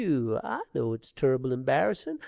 I know it's turrible embarrassin'.